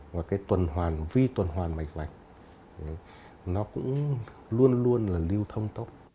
và cái tuần hoàn vi tuần hoàn mạch vành nó cũng luôn luôn là lưu thông tốc